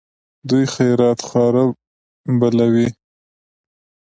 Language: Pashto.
دوی خیرات خواره بلوي.